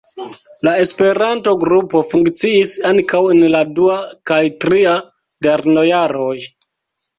La Esperanto-grupo funkciis ankaŭ en la dua kaj tria lernojaroj.